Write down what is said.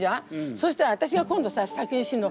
そしたら私が今度先に死ぬの。